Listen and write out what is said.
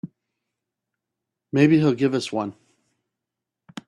Maybe he'll give us one.